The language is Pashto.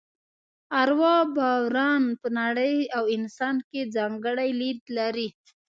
اروا باوران په نړۍ او انسان کې ځانګړی لید لري.